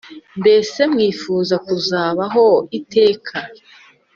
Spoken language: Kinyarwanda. Mbese wifuza kuzabaho iteka